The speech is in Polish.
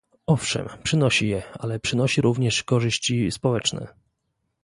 Owszem, przynosi je, ale przynosi również korzyści społeczne